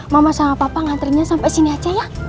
mama sama papa ngantrinya sampai sini aja ya